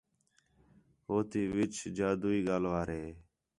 ہو تی وِچ جادوی ڳالھ وار ہِے